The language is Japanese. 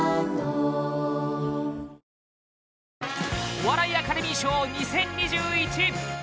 お笑いアカデミー賞２０２１